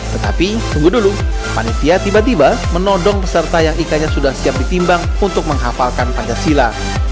tetapi tunggu dulu panitia tiba tiba menodong peserta yang ikannya sudah siap ditimbang untuk menghafalkan pancasila